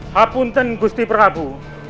hapunten gusti prabu